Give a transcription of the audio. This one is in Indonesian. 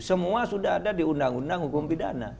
semua sudah ada di undang undang hukum pidana